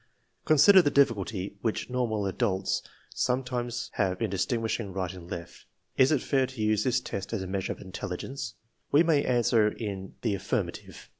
Considering the difficulty which normal adults some times have in distinguishing right and left, is it fair to use this test as a measure of intelligence? We may answer in the affirmative.